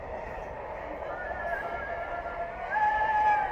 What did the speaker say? ددې خاوري ارغوان او زغن زما دی!